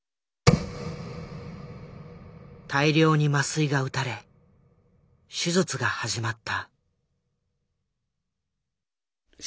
大量に麻酔が打たれ手術が始まった。